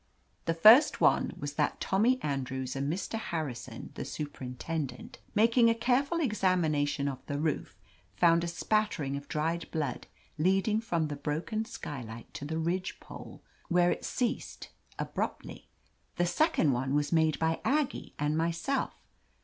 The first one was that Tommy Andrews and Mr. Harrison, the su # perintendent, making a careful examination of the roof, found a spattering of dried blood leading from the broken skylight to the ridge pole, where it ceased abruptly. The second one was made by Aggie and myself.